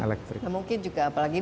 elektrik mungkin juga apalagi